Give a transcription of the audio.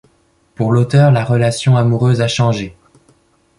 Pour l’auteur, la relation amoureuse a changé.